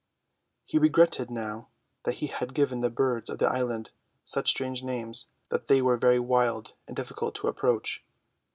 He regretted now that he had given the birds of the island such strange names that they are very wild and difficult of approach.